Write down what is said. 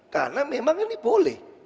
karena memang ini boleh